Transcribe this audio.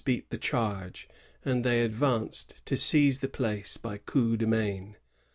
drumB beat the chaige, and they advanced to seize the place by eoup^e main.